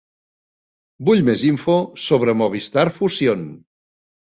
Vull més info sobre Movistar Fusión.